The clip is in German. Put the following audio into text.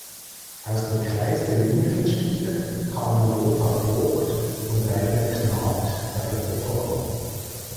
Aus dem Kreis der jüngeren Spieler kamen Lothar Vogt und Rainer Knaak weiter voran.